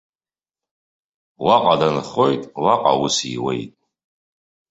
Уаҟа дынхоит, уаҟа аус иуеит.